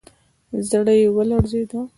زړه يې ولړزېد.